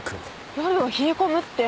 夜は冷え込むって。